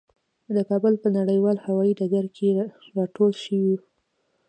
په کابل په نړیوال هوايي ډګر کې راټول شوو.